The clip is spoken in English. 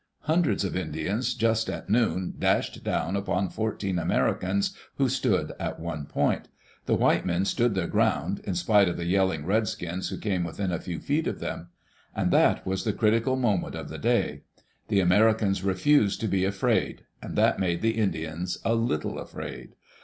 Hundreds of Indians just at noon dashed down upon fourteen Americans who stood at one point The white men stood their ground, in spite of the yelling redskins who came within a few feet of them. And that was the critical moment of the day. The Americans refused to be afraid; and that made the Indians a little afraid.